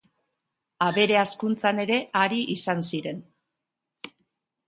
Abere hazkuntzan ere ari izan ziren.